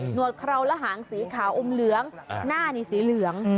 วดเคราวและหางสีขาวอมเหลืองหน้านี่สีเหลือง